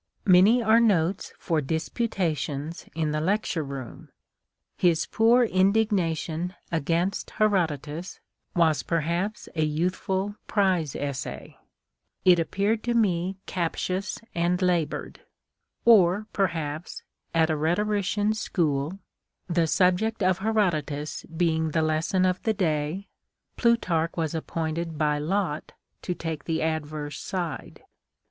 Many are notes for disputations in the lecture room. His poor indignation against Herodotus was per haps a youthful prize essay : it appeared to me captious and labored; or perhaps, at a rhetorician's school, the subject of Herodotus being the lesson of the day, Plutarch was appointed by lot to take the adverse side.